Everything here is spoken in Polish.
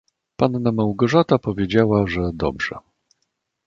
"Panna Małgorzata powiedziała, że dobrze."